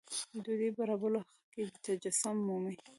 ډوډۍ برابرولو کې تجسم مومي.